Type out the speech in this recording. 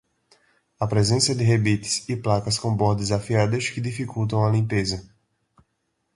A presença de rebites e placas com bordas afiadas que dificultam a limpeza.